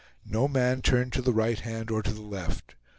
No man turned to the right hand or to the left.